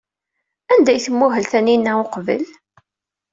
Anda ay tmuhel Taninna uqbel?